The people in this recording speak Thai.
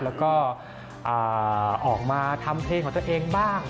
แล้วก็ออกมาทำเพลงของตัวเองบ้าง